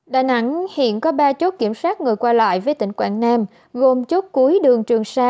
đà nẵng hiện có ba chốt kiểm soát người qua lại với tỉnh quảng nam gồm chốt cuối đường trường sa